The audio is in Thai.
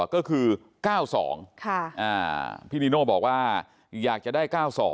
ก็คือ๙๒พี่นิโน่บอกว่าอยากจะได้๙๒